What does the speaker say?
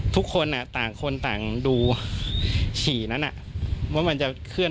ทุกคนต่างคนต่างดูฉี่นั้นว่ามันจะเคลื่อน